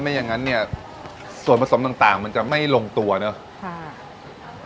ไม่อย่างงั้นเนี่ยส่วนผสมต่างต่างมันจะไม่ลงตัวเนอะค่ะ